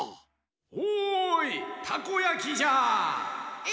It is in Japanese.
おいたこやきじゃ！え？